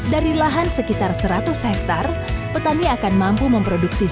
dari lahan sekitar seratus hektare petani akan mampu memproduksi